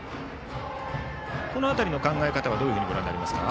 この辺りの考え方はどうご覧になりますか？